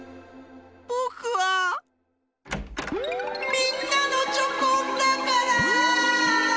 ぼくはみんなのチョコンだから！